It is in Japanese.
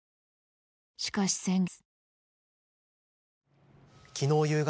しかし、先月。